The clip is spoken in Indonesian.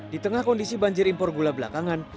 di tengah kondisi banjir impor gula belakangan